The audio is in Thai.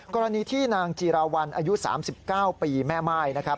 กรณีที่นางจีราวัลอายุ๓๙ปีแม่ม่ายนะครับ